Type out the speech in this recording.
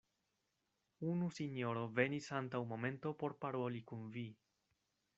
Unu sinjoro venis antaŭ momento por paroli kun vi.